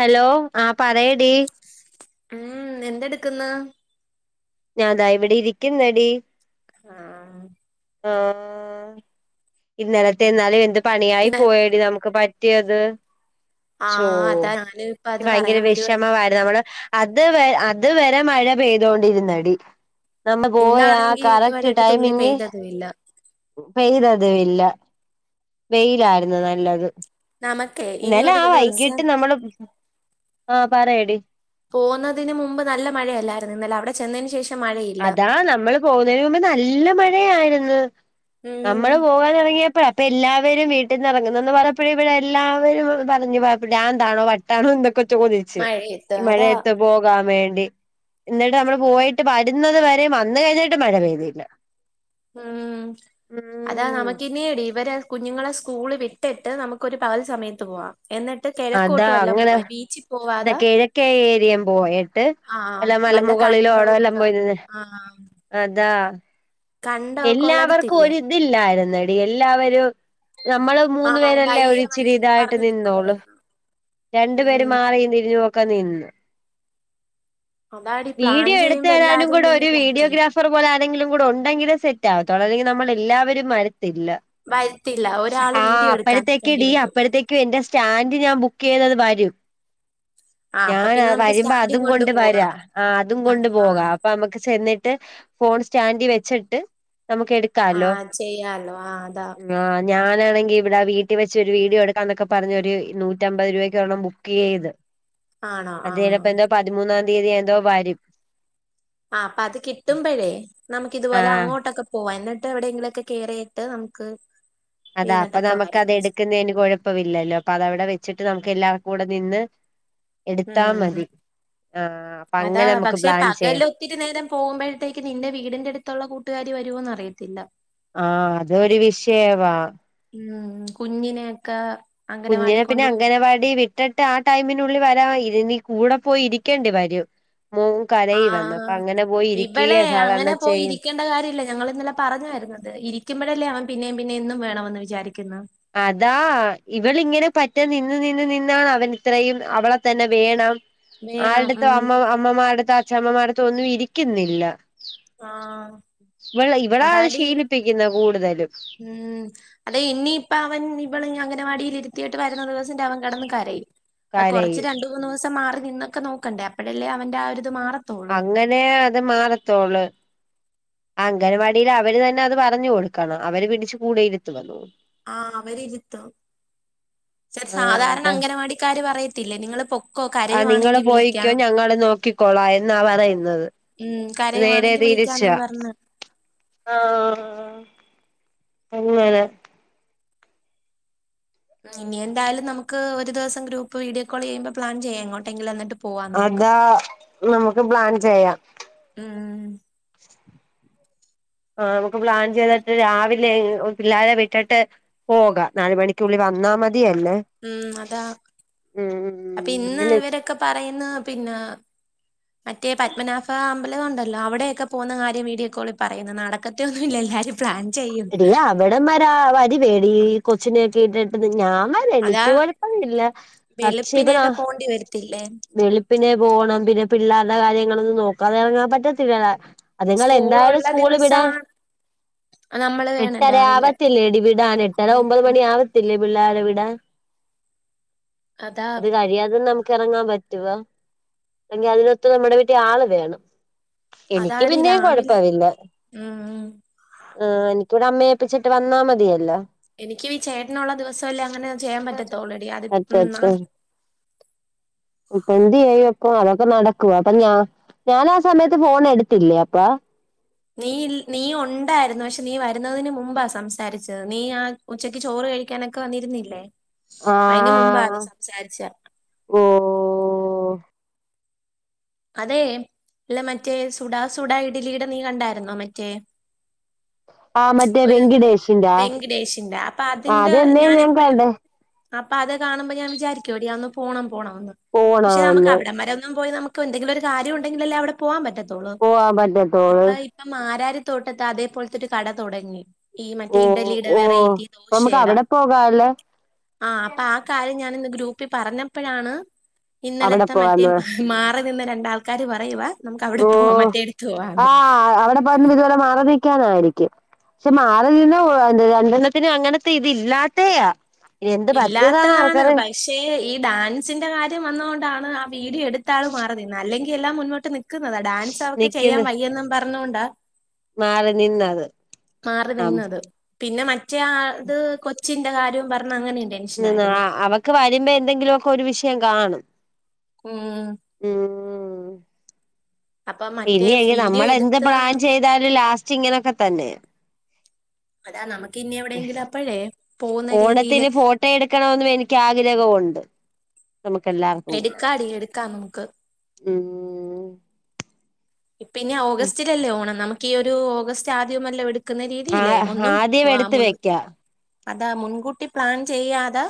Hello ആ പറയടി ഉം എന്തെടുക്കുന്നു ഞാൻ താ ഇവിടെ ഇരിക്കുന്നടി ആഹ് ആഹ് ഇന്നലത്തെ എന്നാലും എന്ത് പണിയായി ഇന്ന പോയടി നമുക്ക് പ പ റ്റിയത് ച്ചോ ആഹ് അതാ ഞാനും ഇപ്പ ഇക്ക് അത് ഭയങ്കര പറയാൻ വരുവായിരുന്നു വെഷമമാ ത് ഞങ്ങള് അത് വ അത് വരെ മഴ പെയ്തോണ്ടിരുന്നടി നമ്മെ പോയാ കറക്റ്റ് ടൈമിങ് പൊയില്ല പെയ്തതു ഇല്ല വെയിലായിരുന്നു നല്ലത് നമുക്കേ ഇനി ഇന്നലെ ഒരു ആ ദിവസം വൈകിട്ട് നമ്മള് ആ പറയടി പോകുന്നതിന് മുമ്പ് നല്ല മഴയല്ലായിരുന്നു ഇന്നലെ അവിടെ ചെന്നതിനന് ശേഷം മഴയില്ല അതാ നമ്മള് പോകുന്നതിന് മുമ്പ് നല്ല മഴയായിരുന്നു ഉം നമ്മള് പോകൻ ഇറങ്ങിയപ്പോഴ ഇപ്പൊ എല്ലാവരും വീട്ടിൽ നിന്ന ഇറങ്ങുന്നതന്ന് പറയപ്പോഴ ഇവിടെ എല്ലാവരും പറഞ്ഞുഞ എന്താണോ വട്ടാണോ എന്തൊക്കെ മഴയത്ത് ഈ അതാ മഴയത്ത് പോകാൻ വേണ്ടി എന്നിട്ട് നമ്മൾ പോയിട്ട് [unintelligible] വരെയും വന്ന് കഴിഞ്ഞിട്ട് മഴ പെയ്തിയില്ല ഉം അതാ ഉം നമക്കി [unintelligible] ഇവരെ കുഞ്ഞുങ്ങളെ സ്കൂള് വിട്ടിട്ട് നമുക്ക് ഒരു പകൽ സമയത്ത് പോവാം എന്നിട്ട് കിഴക്കോട്ട് അതാ വല്ലാം അങ്ങനെ പോവാ ബീച്ചിൽ ഇത പോവാതാ കിഴക്കേ ഏരിയം പോയിട്ട് ആഹ വല്ല നല്ല മലമുകളിലോ കണ്ട അവിടോ എല്ലാം ഒക്കെ പോയി നിന്ന് ആഹ അതാ എല്ലാവർക്കും ഒ ഉള്ളടുത്തില്ലേ ഇതില്ലായിരുന്നടി എല്ലാവരും നമ്മള് ആ മൂന്നു പേരല്ലേ വയ്യ ഒച്ചിരി വയ്യെന്നും ഇതായിട്ട് പറഞ്ഞ് നിന്നോളു നിക്കുവായിരുന്നു രണ്ടു പേര് ഉം മാറി തിരിഞ്ഞു നോക്കാൻ നിന്നു അതാടി പ്ലാൻ വീഡിയോ എടുത്ത ചെയ്യുമ്പോ തരാനും എല്ലാരും കൂടെ നിന്ന് ഒരു പ്ലാൻ ചെയ്യും വീഡിയോഗ്രാഫ് ഓഫർ പോലെ ആരെങ്കിലും കൂടെ ഉണ്ടെങ്കിലും സെറ്റ് ആവത്തുള്ള അല്ലെങ്കിൽ നമ്മൾ എല്ലാവരും മരത്തില്ല വരത്തില്ല ഒരാള് ആഹ് വീഡിയോ എടുക്കാൻ അപ്പഴത്തേക്കെ നിൽക്കേണ്ടി ടി വരും അപ്പഴത്തേക്ക് എന്റെ സ്റ്റാൻഡ് ഞാൻ ബുക്ക് ചെയ്തത് വരും ആ അപ്പൊ ഞാൻ പിന്നെ നമുക്ക് വരുമ്പോ സ്റ്റാൻഡും അതും കൊണ്ട് പോകാം വരാ ആ അതും കൊണ്ട് പോകാം അപ്പ നമുക്ക് ചെന്നിട്ട് ഫോൺ സ്റ്റാൻഡിൽ വെച്ചിട്ട് നമുക്ക് എടു ആഹ് ചെയ്യാലോ ആഹ് അതാ ആ ഞാനാണെങ്കി ഇവിടെ വീട്ടിൽ വെച്ച് ഒരു വീഡിയോ എടുക്കാന്നൊക്കെ പറഞ്ഞൊരു നൂറ്റി നറ്റമ്പത് രൂപക്കോണ്ണം ബുക്ക് ചെയ്ത് ആണോ ആ അത്പ്പോ എന്തോ പതിമൂന്നാം തീയതി ആ എന്തോ വരും ആ് അപ്പ അത് കിട്ടുമ്പഴേ നമുക്ക് ആ ഇതുപോലെ അങ്ങോട്ടൊക്കെ പോക എന്നിട്ട് എവിടെയെങ്കിലുമൊക്കെ കേയറിയിട്ട് നമുക്ക് അതാ അപ്പൊ ഇരുന്നിട്ടൊക്കെ നമുക്ക് വരാം അതാ അത്ടുക്കുന്നതിന് കുഴപ്പ ഇില്ലല്ലോ അപ്പൊ അത അവിടെ വെച്ചിട്ട് നമുക്ക് എല്ലാവർും കൂടെ നിന്ന് എടുത്താ ഉം മതി ആഹ അപ്പൊ അതാ അങ്ങനെ നമ്മുക്ക് പക്ഷെ പ്ലാൻ പകൽ ചെയ്യാം ഒത്തിരി നേരം പോകുമ്പോഴത്തേക്ക് നിന്റെ വീടിന്റെ അടുത്തുള്ള കൂട്ടുകാരി വരുമന്ന് അറിയത്തില്ല ആഹ അതൊരു വിഷയവാ ഉം കുഞ്ഞിനെയൊക്കെ കുഞ്ഞിനെ അംഗനവാടി പിന്നെ കൊണ്ടുപോയി അംഗനവാടി വി ഇട്ടട്ട് ആ ടൈമിനുള്ളിൽ വരാ ഇ നീ കൂടെ പോയി ഇരിക്കേണ്ടി വരും മോ കരയി വന്നു ആഹ് അപ്പൊ അങ്ങനെ പോയി ഇവളെ ഇരിക്കുകയ സാധാരണ അങ്ങനെ പോയി ചെയ്യ ഇരിക്കേണ്ട കാര്യമല്ല ഞങ്ങൾ ഇന്നലെ പറഞ്ഞായിരുന്നത് ഇരിക്കുമ്പോഴല്ലേ അവൻ പിന്നേും പിന്നെ എന്നന്നും വേണമെന്ന് വിചാരിക്കുന്നു അതാ ഇവള ഇങ്ങനെ പറ്റാൻ നിന്ന് നിന്ന നിന്നാണ് അവൻ ഇത്രയും അവളെ തന്നെ വേണം വേണം ആടെത്തോ ഉം അമ്മ അമ്മമാടെടുത്തോ അച്ഛമ്മമാടത്തോ ഒന്നും ഇരിക്കുന്നില്ല ആഹ് ഇവൾ ഇവളത് ത് അതാടി ശീലിപ്പിക്കുന്ന കൂടുതലും ഉം അതെ ഇനിയിപ്പ അവൻ ഇവള അംഗനവാടിയിൽ ഇരുത്തിോട്ട് വരുന്ന ദിവസന്റെ അവൻ കിടന്ന് കരയും അഹ് കുറച്ച് കരയും രണ്ട് മൂന്ന് സം മാറി നിന്നൊക്കെ നോക്കണ്ടേ അപ്പഴല്ലേ അവൻന്റെ ആ ഒരു ഇത് മാറ അങ്ങനെ അത് മാറത്തോളു അംഗൻവാടിയിൽ അവര് തന്നെ അത് പറഞ്ഞു കൊടുക്കണം അവര് പിടിച്ച് കൂടെ രു ത്തുടുമല്ലേ ആഹ് അവരിരുത്തും [inaudible] ച സാധാരണ അതെ അംഗനവാടിക്കാര് പറയത്തില്ലേ നിങ്ങള് പൊക്കോ കരയുവാണെങ്കി വിളിക്കാം നോക്കിക്കോളാ എന്നാ പറയുന്നത് ഉം ഇത് നേരെ കരയുവാണെങ്കിൽ വിളിക്കാന്നും തിരിച്ചാ പറഞ്ഞ് ആഹ് [unintelligible] ഇനി എന്തായാലും നമുക്ക് ഒരു ദിവം ഗ്രൂപ്പ് വീഡിയോ കോൾ ചെയ്യുമ്പോ പ്ലൻ ചെയാംങ്ങോട്ടെങ്കില് എന്നിട്ട് പോവാം നമുക്ക് അതാ നമുക്ക് പ്ലാൻ ചെയ്യ ഉം ആഹ് നമുക്ക് പ്ലാൻ ചെയ്തിട്ട് രാവിലെ പിള്ളാരെ വിട്ടിട്ട് പോക നാല് മണിക്കുള്ളിൽ വന്നാ മതിയല്ലേ ഉം അതാ ഉം ഉം അപ്പൊ ഉം ഇന്ന് അങ്ങനെ ഇവരൊക്കെ പറയുന്ന് പിന്നെ മറ്റേ പത്മനാഭ അമ്പലം ഉണ്ടല്ലോ അവിടെയൊക്കെ പോകുന്ന കാര്യം വീഡിയോകോളിൽ പറയുന്ന് നടക്കത്തെൊന്നുല്ല എല്ലാരും പ്ലാൻ ചെയ്യും ഇവിടന്നാരാ വരി വേടി കൊച്ചിനെക്കെ ഇട്ടിട്ട് ഞാൻ വ രാ അതാ എനിക്ക് കുഴപ്പമില്ല പക്ഷെ ഇപ്പൊ ന ത്തില്ലെ വെളുപ്പിനെ പോകണം പിന്നെ പിള്ളേരുടെ കാര്യങ്ങളൊന്നും നോക്കാതെ ഇറങ്ങാൻ പറ്റത്തില്ലടാ അത്ങ്ങളെ എന്തായാലും സ്കൂളുള്ള സ്കൂള് വിടാൻ ദിവസമാണ് നമ്മള് വേണം എട്ടര രാവിലെ ആവത്തില്ലേ എടി വിടാൻ എട്ടര ഒമ്പത് ഉം മണി ആവ ത്തില്ലേ പിള്ളേരെ വിടാൻ അതാ അത് കഴിയാതെ നമുക്ക് ഇറങ്ങാൻ പറ്റ് റ്റുവാ അല്ലങ്കിൽ അതിനൊത്ത് നമ്മുടെ വീട്ടി ആള് വേണം എനിക്ക് പിന്നേം കൊഴപ്പവില്ല ഉം ഉം ആഹ് എനിക്കിവിടെ അമ്മയേപ്പിച്ചിട്ട് വന്നാ മതിയല്ലോ എനിക്കും ഈ ചേട്ടനും ഉള്ള ദിവസംമല്ലേ അങ്ങനെ ചെയ്യാൻ പറ്റത്തോള്ളൊടി അത് ഉം ആഹ് പ്പെന്ത്യയ്യും ക്കേ അതൊക്കാ നടക്കോ അപ്പ ഞാ ഞാൻ ആ സമയത്ത് ഫോൺ എടുത്തില്ലേ അപ്പ നീ ഇൽ നീ ഉണ്ടായിരുന്നു പക്ഷെ നീ വരുന്നതിന് മുമ്പാ സംസാരിച്ചത് നീ ആ ഉച്ചക്ക് ചോറ് കഴിക്കാനൊക്കെ വന്നിരുന്നില്ലേ അയിന് മുമ്പാത് ആഹ് സംസാരിച്ചെ ഓ അതെ ഇല്ല മറ്റേ സുഡാ സുഡ ഇഡലീടെ നീ കണ്ടായിരുന്നോ മറ്റേ ആഹ് മറ്റേ ഒരു വെങ്കിടേഷിന്റെ ആ വെങ്കടേഷിന്റെ അപ്പൊ അതിന്റെ അതെന്നേ ഞാൻ എപ്പോഴും കാണ്ടേ അപ്പൊ അത് കാണുമ്പോ ഞാൻ വിചാരിക്കുംടി ഒന്ന് പോണം പോണം എന്ന് പക്ഷെ നമുക്ക് പോണന്ന് അവിടം വരെ ഒന്നും പോയി നമു ക്കും എന്തെങ്കിലും ഒരു കാര്യം ഉണ്ടെങ്കിലല്ലേ അവിടെ പോവാൻ പറ്റത്തുള്ളൂ പോവാൻ പറ്റത്തോള് അപ്പയി ഇപ്പ മാരാരി തോട്ടത്ത് അതേപോലത്തെ ഒരു കട തുടങ്ങി ഈ മറ്റേ ഓ ഇഡലിയുടെ ഓ വെറൈറ്റി നമുക്ക് ദോശയ്ടെ അവിടെ പോകാല്ലേ ആഹ് അപ്പൊ ആ കാര്യം ഞാൻ ഇന്ന് ഗ്രൂപ്പിൽ പറഞ്ഞപ്പോഴാണ് അവിടെ ഇന്നലത്തെ മറ്റേ പോവാന്ന് മാ റി നിന്ന രണ്ടാൾക്കാര് പറയുവാ നമുക്ക് അവിടെ പോവാ മറ്റേ എടുത്ത് പോവാന്ന് പറ്ഞ്ഞ് ഇതുപോലെ മാറി നിൽക്കാനായിരിക്കും പക്ഷെ മാറി നിന്ന ഓ രണ്ടണ്ണത്തിന് അങ്ങനത്തെ ഇതില്ലാത്തെയാ ഇത് എന്ത് പറ്റിയതാണ് ആർക്കറിയ ക്ഷേ ഈ ഡാൻസിന്റെ കാര്യം വന്നതുകൊണ്ടാണ് ആ വീഡിയോ എടുത്താള് മാറി നിന്നെ അല്ലെങ്കി എല്ലാം മുന്നോട്ട് നി ക്കുന്നതാ ഡാൻസ് അവക്ക് ചെയ്യാൻ നിക്കുന്ന വയ്യന്നും പറഞ്ഞോണ്ടാ മാറി നിന്നത് മാറി നിന്നത് പിന്നെ മറ്റേആത് കൊച്ചിന്റെ കാര്യവും പറഞ് അങ്ങനെയണ്ട് ആഹ് അവക്ക് വരുമ്പോ എന്തെങ്കിലുവൊക്കെ ഒരു വിഷയം കാണും ആഹ് ഉം അപ്പൊ മറ്റേ ഇനി എങ്ങനെ വീഡിയോ നമ്മൾ എന്ത് എടുത്ത് പ്ലാൻ ചെയ്താലും ലാസ്റ്റ് ഇങ്ങനെയൊക്കെ തന്നെ അതാ നമുക്ക് ഇനി എവിടെയെങ്കിലും അപ്പോഴേ പോകുന്ന രീതിയില് ട്ടിയെടുക്കണോന്നും എനിക്ക് ആഗ്രഹവുണ്ട് നമുക്ക് എല്ലാർക്കും കൂടാ എടുക്കാടി എടുക്കാം നമുക്ക് ഉം ഇപ്പിന് ഓഗസ്റ്റിലല്ലേ ഓണം നമുക്ക് ഈ ഒരു ഓഗസ്റ്റ് ആദ്യംന്നല്ല വെടി ക്കുന്ന ആ രീതിയില്ലേ ഒന്നും ആദ്യം വാ എടുത്ത് വെക്കാം അതാ മുൻകൂട്ടി പ്ലാൻ ചെയ്യാതെ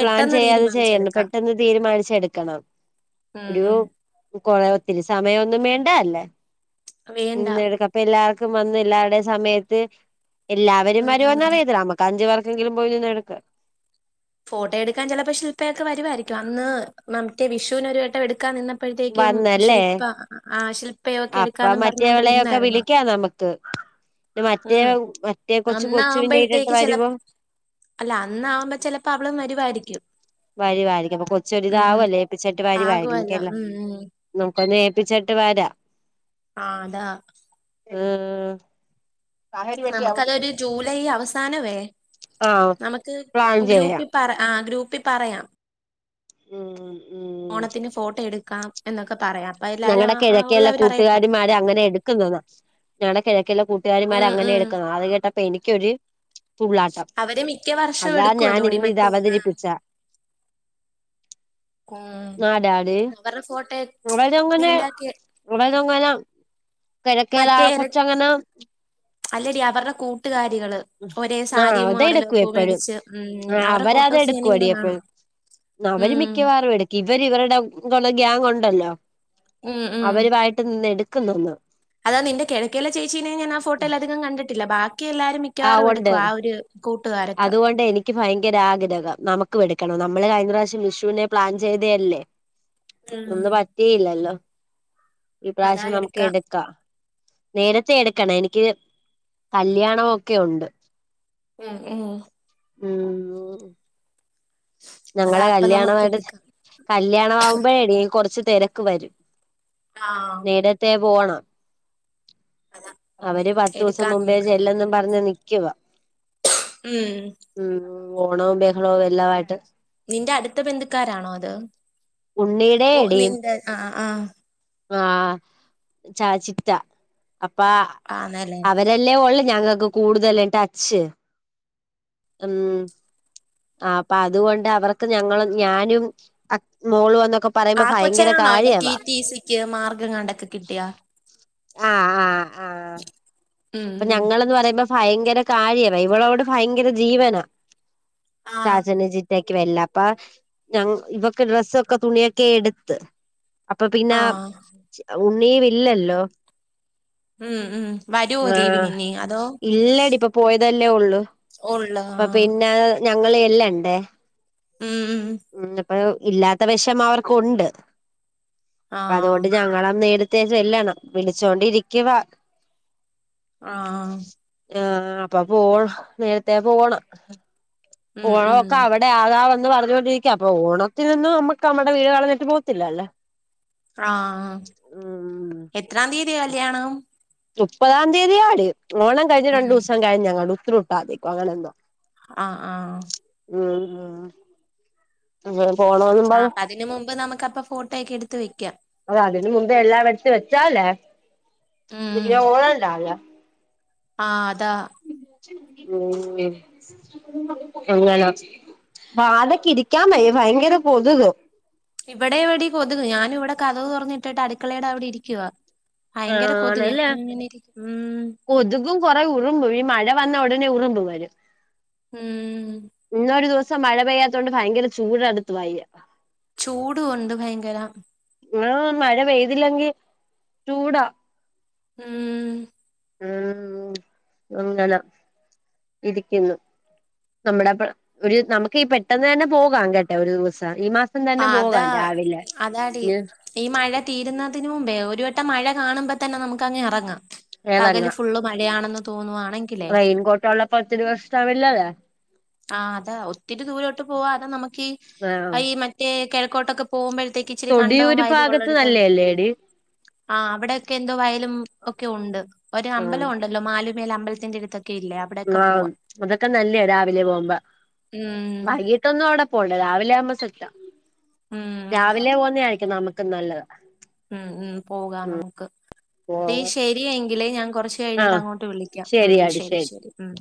പ്ലാൻ ചെയ്യാതെ ചെയ്യണം തീരുമാനിച്ചെടുക്കാം പെട്ടെന്ന് തീരുമാനിച്ചെടുക്കണം ഒരു ഉം കൊറ ഒത്തിരി സമയംഒന്നും വേണ്ടല്ലാ വേണ്ട നിന്ന് എടുക്ക ഇപ്പ എല്ലാവർക്കും വന്ന് എല്ലാവരുടെ സമയത്ത് എല്ലാവരും വരോന്ന് ഉം അറിയത്തില്ല നമ അഞ്ചവർക്കെങ്കിലും പോയി നിന്ന് എടുക്. ഫോട്ടോ എടുക്കാൻ ചെലപ്പോ ശില്പയൊക്കെ വരുവായിരികു അന്ന് മ്മമംറ്റേ വിഷൂന് ഒരു വട്ടെ എടുക്കാ നിന്ന. അപ്പോഴത്തേക്കും വന്നല്ലേ ശില്പ ആഹ് ശില്പയ ഒക്കെ അപ്പൊ എടുക്കാന്ന് പറഞ്ഞോണ്ട് മറ്റേവളെയൊക്കെ നിന്നായിര്ന്ന്. വിളിക്കാം നമുക്ക് മറ്റേ മറ്റേ കൊച്ച് കൊചുവിനെയിട്ടട്ട് അന്നാവുമ്പോഴത്തേക്ക് ചിലപ്പോ വരുവോ. അല്ല അന്നാവുമ്പോ ചെലപ്പോ അവളും വരുവായിരിക്കും. വരു വായിരിക്കും അപ്പൊ കൊച്ച് ഒരു ഉം ഇതാവല്ലേ ഏപ്പിചിട്ട് വരി വായിരിക്കും ആകുവല്ലോ കേരള. ഉം ഉം നമുക്കൊന്ന ഏപ്പിച്ചിട്ട് വരാ. ആഹ് അതാ. ഏഹ് നമുക്കതൊരു ജൂലൈ അവസാനവേ ആഹ് നമക്ക് പ്ലാൻ ചെയ്യാം ഗ്രൂപ്പ്‌. പറ ആഹ് ഗ്രൂപ്പി പറയാം. ഉം ഉം. ഓണത്തിന് ഫോട്ടോ എടുക്കാം എന്നൊക്കെ പറയാം. അപ്പൊ എല്ലാരും ഞങ്ങടെ ആ ആ കെഴക്കേലെ ഉള്ളവര് പറയട്ടെ കൂട്ടുകാരിമാർ അങ്ങനെ എടു ക്ക്തോന്ന ഞങ്ങളുടെ കെയെക്കേലെ കൂട്ടുകാരിമാര് ഉം അങ്ങനെ ഉം എടുക്കുന്ന അത് കേട്ടപ്പോ എനിക്കൊര്. തുള്ളാട്ടം അവര് മിക്ക വർഷവും അതാ ഞൻ എടുക്കുവല്ലോടി ഇന്ന് ഇത് മറ്റേ ആ അവതരിപ്പിച്ച. ആടാടി ഉം അവരെ ഫോട്ടോ [unintelligible] [unintelligible] മറ്റേര് കൊച്ചങ്ങനെ അല്ലടി അവരുടെ കൂട്ടുകാരികള്. ഒരേ ആഹ് സാരിയും അതെടുക്കും മോഡടെലക്ക എപ്പഴും മേടിച്ച് ഉം ആഹ് അവരെ ഫോട്ടോസ് ഞാന് അവരതെടുക്കുവടി ഇങ്ങനെ കാണും. എപ്പഴും അവര് ഉം മിക്കവാറും എടുക്കി ഇവര് ഇവരുടെ ക്ള ഗ്യാങ് ഉണ്ടല്ലോ. ഉം ഉം. അവരുവായിട്ട് നിന്ന് എടുക്ക്ന്നുന്ന്. അതാ നിന്റെ കിഴക്കേെലെ ചേച്ചീനെ ഞാൻ ആഹ് ഫോട്ടോയിലധികം കണ്ടിട്ടില്ല ബാക്കി എല്ലാരും. ആ ക്യറ് എടുക്കു ഉണ്ട് ആഹ് ഒരു കൂട്ടുകാരൊക്കെ. അതുകൊണ്ട് എനിക്ക് ഭയങ്കരാ ആഗ്രഹം നമുക്ക് യെടുക്കണം നമ്മൾ കഴിഞ്ഞ പ്രാവിശ്യം വിഷൂനെ പ്ലാൻചെയ്തേഎല്ലേ ചെയ്തേയല്ലേ. ഉം. ഒന്ന് പറ്റയില്ലല്ലോ ഈ അതാ പ്രാശ്യം നമുക്ക് എടുക്കാം എടുക്കാ. നേരത്തെ എടുക്കണ എനിക്ക് കല്യാണൊക്കെ ഉണ്ട്. ഉം ഉം. ഉം. അതാ ഞങ്ങളെ അപ്പൊ നമുക്ക് കല്യാണമായിട്ട്. എടുക്കാം കല്ല്യാണ വാവുമ്പോഴെ ടി കൊറച്ച് തെരക്ക് വരും ആ നേട. ത്തെ പോണം അതാ അവര് പത്തൂസം എടുക്കാം മുമ്പേ നമുക്ക് ചെല്ലെന്നും പറഞ്ഞ് നി ക്കവാ. ഉം. ഉം ഓണവും ബഹളവും എല്ലാ ആയിട്ട്. നിന്റെ അടുത്ത ബന്ധുക്കാരാണോ അത് ഉണ്ണീടെ ഓ നിന്റെ ആഹ് ആഹ്. ആഹ് ചാ ചിത്ത അപ്പാ ആണല്ലേ അവര്. തല്ലേ ഓലെ ഞങ്ങൾക്ക് കൂടുതല് ട്ടച്ച്. ഉം. ആഹ് അപ്പൊ അതുകൊണ്ട് അവർക്ക് ഞങ്ങളും ഞാനും അ മോളും ന്നൊക്കെ. ആ കൊച്ചാണോ അല്ലെ റ്റി റ്റീ സിക്ക് മാർക്ക് എങ്ങാണ്ടൊക്കെ കിട്ടിയൊ. ആഹ് ആഹ് ആഹ് ഉം അപ്പൊ ഉം. ഞങ്ങള്ന്ന് പറയുമ്പോ. ഭയങ്കര കാര്യവാ ഇവളോട് ഭയങ്കര ജീവനാ ആ ചാച്ചന് ചി റ്റക്ക് എല്ലാപ്പാ ഞ ഇവൊക്ക് ഡ്രസ്സൊക്കെ തുണിയൊക്കെ എടുത്ത്. അപ്പൊ പിന്നെ ആ ഉണ്ണിയും ഇല്ലല്ലോ. ഉം ഉം വരുവോ ലീവിന് ആഹ് ഇനി അതോ ഇല്ലടി ഇപ്പൊ പോയതല്ലേ ഉള്ളൂ. ഉള്ള ആ അപ്പൊ പിന്നെ ഞങ്ങള് എല്ലാണ്ടേ. ഉം ഉം ഉം ഇന്നിപ്പൊ ഇല്ലാത്ത വേഷമം അവർക്ക്ണ്ട് ആ അപ്പതോണ്ട് ഞങ്ങളാ നേരി ത്തെ ചെല്ലണം വിളിച്ചോണ്ടിരിക്കുവാ ആഹ്‌ ആഹ്‌ അപ്പൊ പോണം നേരത്തെ പോണം ഉം ഓണം ഉം ഒക്കെ അവ ടെ ആവാന്ന് പറഞ്ഞുകൊണ്ടിരിക്ക അപ്പൊ ഓണത്തിൽന്നും നമ്മുക്ക് നമ്മടെ വീട് കളഞ്ഞിട്ട് പോകത്തില്ലല്ലോ ആഹ്‌ ഉം എത്രാം തീയതിയ കല്യാണം മുപ്പതാം തീയതിയാടി ഓണം കഴിഞ് രണ്ടു ഉം ദിവസം കഴിഞെങ്ങാണ്ട് ഉത്രട്ടാതി അങ്ങനെന്തോ ആഹ്‌ ആഹ്‌ ഉം ഉം അങ്ങനെ പോണോന്ന് ആഹ്‌ അപ്പൊ അതിന് മുമ്പ് നമുക്കപ്പൊ ഫോട്ടോയൊക്കെ എടുത്ത് വെക്കാം അ അതിന് മുമ്പേ എല്ലാ എടുത്ത് വെച്ചാല്ലേ ഉം പിരി ഓണംണ്ടാവില്ല ആഹ്‌ അതാ ഊം അങ്ങനെ ഇരിക്കാ വയ്യ ഭയങ്കര കൊതുക് ഇവിടെ എവിടെ കൊതുക് ഞാനിവിടെ കഥവ് തുറന്നിട്ടിട്ട് അടുക്കളയുടെ അവിടെ ഇരിക്കുവ ഭയങ്കര കൊതുക് ആണല്ലേ ഞാനിങ്ങനെരി ഉം കൊതുകും കൊറെ ഉറുമ്പും ഈ മഴ വന്ന ഉടനെ ഉറുമ്പ് വരും ഉം ഇന്നൊരു ദിവസം മഴ പെയ്യാത്തൊണ്ട് ഭയങ്കര ചൂടെടുത്ത് വയ്യ ചൂട് ഉണ്ട് ഭയങ്കര ഇവിടെ മഴ പെയ്തില്ലെങ്കിൽ ചൂട ഉം ഊം ഇങ്ങനാ ഇരിക്കുന്നു നമ്മുടെ ഒരു നമുക്ക് ഈ പെട്ടെന്ന് തന്നെ പോകാം കെട്ടോ ഒരു ദിവസം ഈ മാസം ഇന്നന്നെ ആഹ് അതാ പോകാം രാവിലെ അതാടി ഇഞ് ഈ മഴ തീരുന്നതിന് മുമ്പേ ഒരു വട്ടം മഴ കാണുമ്പോ തന്നെ നമുക്ക് അങ്ങ് ഇറങ്ങാം പകല് എറങ്ങാം ഫുള്ള് മഴയാണെന്ന് തോന്നുവാണെ റെയിൻകോട്ട് ഉള്ളപ്പൊ ഒത്തിരി പ്രശ്നവില്ലല്ലൊ ആഹ്‌ അതാ ഒത്തിരി ദൂരോട്ട് പോവാതെ നമുക്ക് ഈ ആഹ് ഈ മറ്റേ കെഴക്കോട്ടൊക്കെ പോവുമ്പഴത്തേക്ക് തൊടിയൂര് ഭാഗത്ത് നല്ലേല്ലേ എടി ആഹ് അവിടെൊക്കെ എന്തോ വയലും ഒക്കെ ഉണ്ട് ഒരു അമ്പലം ആഹ് ഉ ണ്ടല്ലോ മാലുമേല അമ്പലത്തിന്റെടുത്തൊക്കെ ഇല്ലെ ആഹ്‌ അതൊക്കെ നല്ല രാവിലെ പോകുമ്പോ ഉം വൈകിട്ട് പെട്ടന്ന അവിടെ പോവണ്ടേ കിട്ടൊന്നും അവിടെ പോണ്ട രാവിലെ ആവുമ്പോ സെറ്റ ഉം അതാ രാവിലെ പോകുന്ന ആയിരിക്കും നമുക്ക് ക്ക് നല്ലത് ഉം ഉം പോകാം നമുക്ക് ടീ പോവാ ശരിയെങ്കില് ഞാൻ കുറച്ച് ച്ച് കഴിഞ്ഞിട്ട് ആഹ് അങ്ങോട്ട് വിളിക്കാം ഉം ശരി ശരി ഉം